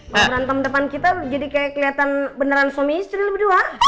mau berantem di depan kita jadi kayak keliatan beneran suami istri lebar dua